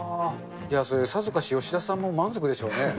それさぞかし、吉田さんも満足でしょうね。